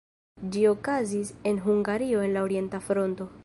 Ĝi okazis en Hungario en la Orienta Fronto.